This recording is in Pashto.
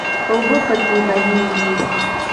اوبه پکې بهیږي.